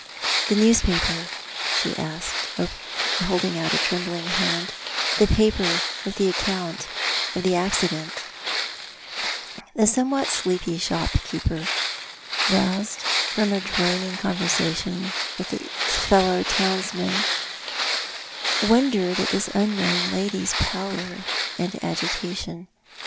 "The newspaper," she asked, holding out a trembling hand — "the paper with the account — of the accident " The somewhat sleepy shopkeeper, roused from a droning conversation with a fellow townsman, wondered at this unknown lady's pallor and agitation.